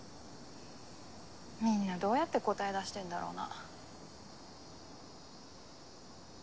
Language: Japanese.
みんなどうやって答え出してんだろうな。